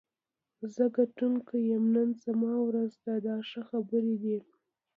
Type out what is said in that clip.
زه ګټونکی یم، نن زما ورځ ده دا ښه خبرې دي.